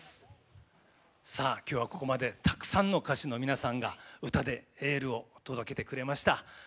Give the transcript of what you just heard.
さあきょうはここまでたくさんの歌手の皆さんが歌でエールを届けてくれました。